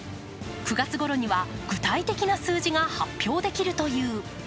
９月ごろには具体的な数字が発表できるという。